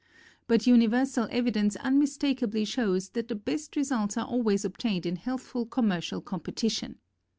But universal evidence unmistakably shows that the best results are always obtained in healthful commercial competition.